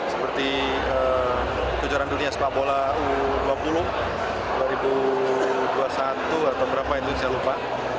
seperti kejuaran dunia sepak bola u dua puluh dua ribu dua puluh satu atau beberapa itu saya lupa